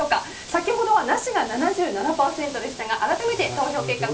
先ほどはなしが７７％でしたが改めて投票結果